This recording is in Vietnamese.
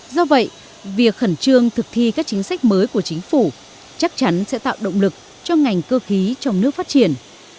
do vậy việc khẩn trương thực thi các chính sách mới của chính phủ chắc chắn sẽ tạo động lực cho ngành cơ khí trong nước phát triển